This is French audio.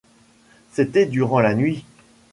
C'était durant la nuit.